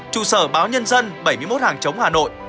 trụ sở báo nhân dân bảy mươi một hàng chống hà nội